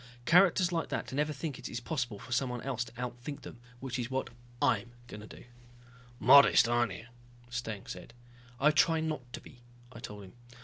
Characters like that never think it possible for someone else to outthink them. Which is what I'm going to do." "Modest, aren't you," Steng said. "I try not to be," I told him.